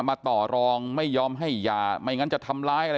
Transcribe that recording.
มาต่อรองไม่ยอมให้ยาไม่งั้นจะทำร้ายอะไร